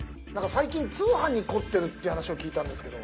最近通販に凝ってるって話を聞いたんですけど。